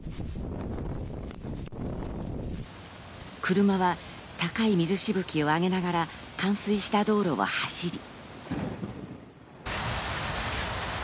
車は高い水しぶきを上げながら冠水した道路を走り。